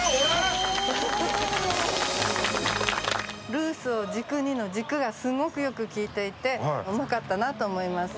「ルースを軸に」の「軸」がすごくよく効いていてうまかったなと思います。